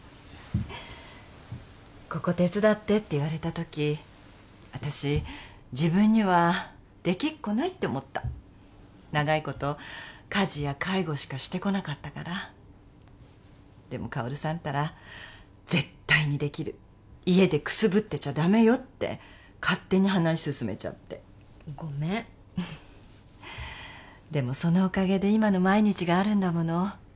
ここ手伝ってって言われた時私自分にはできっこないって思った長いこと家事や介護しかしてこなかったからでも香さんったら「絶対にできる家でくすぶってちゃダメよ」って勝手に話進めちゃってごめんでもそのおかげで今の毎日があるんだもの